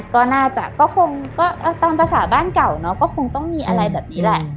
ก็น่าจะก็คงก็ตามภาษาบ้านเก่าเนาะก็คงต้องมีอะไรแบบนี้แหละ